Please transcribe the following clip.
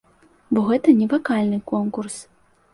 Бо гэта не вакальны конкурс.